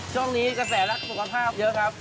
ช่วงนี้จะแสดงและคุณภาพเยอะครับ